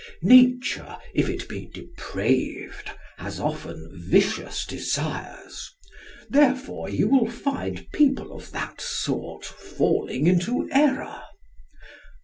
Nature, if it be depraved, has often vicious desires; therefore you will find people of that sort falling into error.